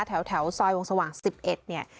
แถวซอยวงสว่าง๑๑เนี่ย